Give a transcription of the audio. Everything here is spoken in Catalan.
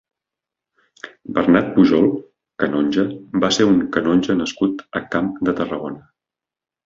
Bernat Pujol (canonge) va ser un canonge nascut a Camp de Tarragona.